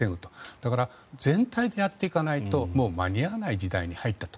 だから、全体でやっていかないともう間に合わない時代に入ったと。